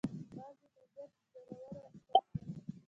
باز د طبیعت زړور عسکر دی